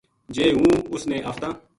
جے ہوں اس نے آفتاں